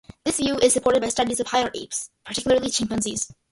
This view is supported by studies of higher apes, particularly chimpanzees.